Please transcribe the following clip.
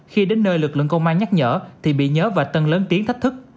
khi đến nơi lực lượng công an nhắc nhở thì bị nhớ và tân lớn tiếng thách thức